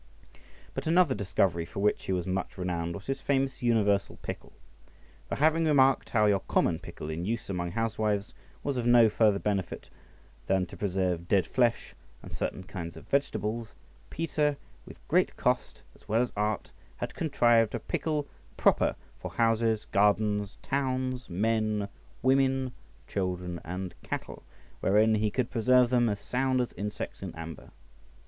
But another discovery for which he was much renowned was his famous universal pickle. For having remarked how your common pickle in use among housewives was of no farther benefit than to preserve dead flesh and certain kinds of vegetables, Peter with great cost as well as art had contrived a pickle proper for houses, gardens, towns, men, women, children, and cattle, wherein he could preserve them as sound as insects in amber.